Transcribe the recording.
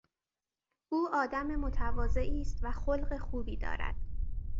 او آدم متواضعی است و خلق خوبی دارد.